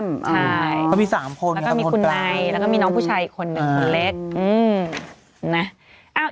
ใช่เขามี๓คนแล้วก็มีคุณในแล้วก็มีน้องผู้ชายอีกคนนึงคนเล็กนะ